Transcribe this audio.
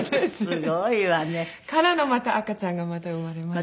すごいわね。からのまた赤ちゃんがまた生まれました。